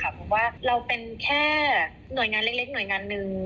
เพราะว่าเราเป็นแค่หน่วยงานเล็กหน่วยงานหนึ่ง